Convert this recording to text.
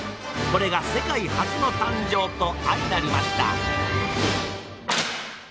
これが世界初の誕生と相成りました！